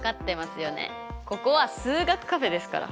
ここは数学カフェですから。